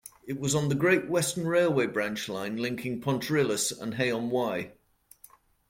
It was on the Great Western Railway branch line linking Pontrilas and Hay-on-Wye.